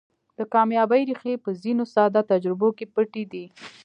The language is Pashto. د کاميابۍ ريښې په ځينو ساده تجربو کې پټې دي.